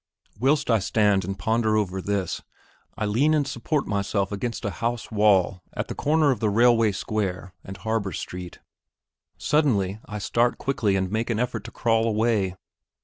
Whilst I stand and ponder over this, I lean and support myself against a house wall at the corner of the railway square and Harbour Street. Suddenly, I start quickly and make an effort to crawl away.